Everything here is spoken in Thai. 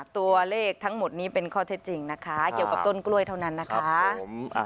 ตัวเลขทั้งหมดนี้เป็นข้อเท็จจริงนะคะเกี่ยวกับต้นกล้วยเท่านั้นนะคะ